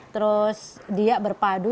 terus dia berpadu